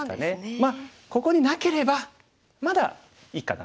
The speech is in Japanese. まあここになければまだいいかな。